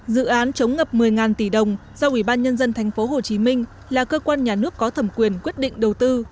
dự án chống ngập một mươi tỷ đồng do ubnd tp hcm là cơ quan nhà nước có thẩm quyền quyết định đầu tư